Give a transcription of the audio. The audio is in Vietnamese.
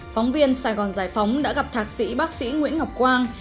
phóng viên sài gòn giải phóng đã gặp thạc sĩ bác sĩ nguyễn ngọc quang